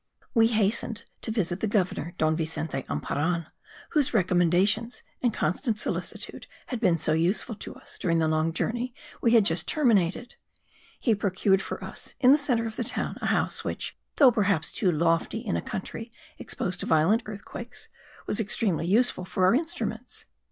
We hastened to visit the governor, Don Vicente Emparan, whose recommendations and constant solicitude had been so useful to us during the long journey we had just terminated. He procured for us, in the centre of the town, a house which, though perhaps too lofty in a country exposed to violent earthquakes, was extremely useful for our instruments.